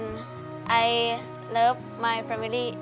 เธอเกี่ยวจากไหน